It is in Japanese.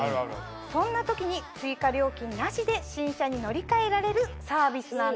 そんな時に追加料金なしで新車に乗り換えられるサービスなんです。